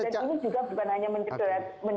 dan ini juga bukan hanya mencegah hak konstitusi warganya